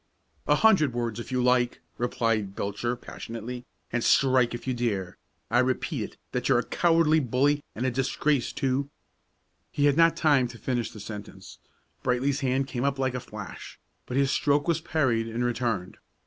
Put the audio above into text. "A hundred words if you like," replied Belcher, passionately, "and strike if you dare! I repeat it that you're a cowardly bully and a disgrace to " He had not time to finish the sentence. Brightly's hand came up like a flash; but his stroke was parried and returned.